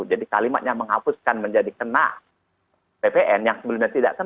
jadi kalimatnya menghapuskan menjadi kena ppn yang sebelumnya tidak terkena